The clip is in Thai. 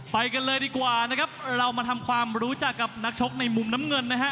ไปกันเลยดีกว่านะครับเรามาทำความรู้จักกับนักชกในมุมน้ำเงินนะฮะ